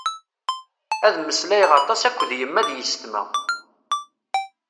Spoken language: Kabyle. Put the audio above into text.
Ad mmeslayeɣ aṭas akked yemma d yessetma.